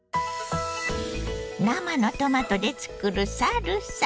生のトマトで作るサルサ。